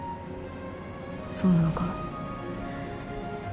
そうなのかも。